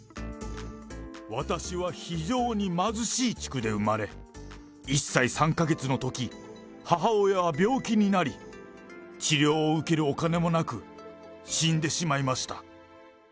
私は非常に貧しい地区で生まれ、１歳３か月のとき、母親が病気になり、治療を受けるお金もなく、死んでしまいました。